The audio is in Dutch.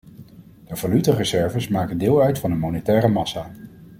De valutareserves maken deel uit van de monetaire massa.